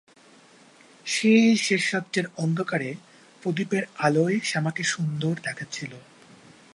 সেই শেষরাত্রের অন্ধকারে প্রদীপের আলোয় শ্যামাকে সুন্দর দেখাচ্ছিল।